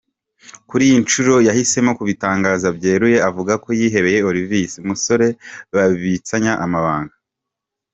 Kuri iyi nshuro yahisemo kubitangaza byeruye avuga ko ‘yihebeye Olvis, umusore babitsanya amabanga’.